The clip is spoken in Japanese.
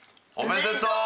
おめでと。